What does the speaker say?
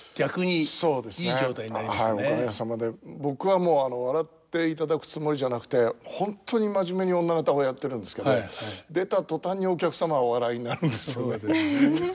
僕は笑っていただくつもりじゃなくて本当に真面目に女方をやってるんですけど出た途端にお客様がお笑いになるんですよね。